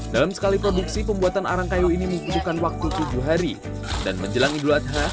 dalam sekali produksi pembuatan arang kayu ini membutuhkan waktu tujuh hari dan menjelang idul adha